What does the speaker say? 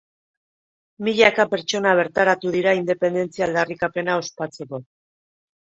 Milaka pertsona bertaratu dira independentzia aldarrikapena ospatzeko.